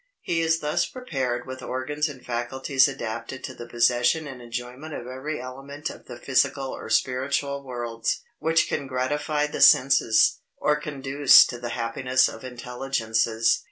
He is thus prepared with organs and faculties adapted to the possession and enjoyment of every element of the physical or spiritual worlds, which can gratify the senses, or conduce to the happiness of intelligences.